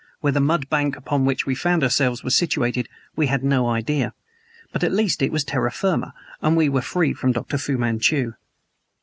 Where the mud bank upon which we found ourselves was situated we had no idea. But at least it was terra firma and we were free from Dr. Fu Manchu.